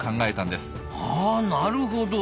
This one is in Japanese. あなるほど。